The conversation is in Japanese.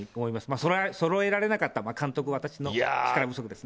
それはそろえられなかった監督、私の力不足ですね。